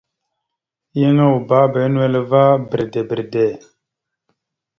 Yan ʉbebá a nʉwel ava bredey bredey.